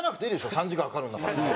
３時間かかるんだから。